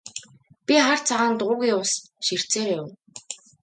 Би хар цагаан дуугүй ус ширтсээр явав.